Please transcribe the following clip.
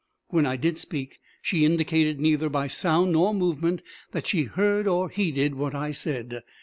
When I did speak, she indicated neither by sound nor movement that she heard or heeded what I said.